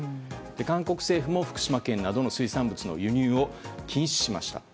韓国政府も福島県などの水産物の輸入を禁止しました。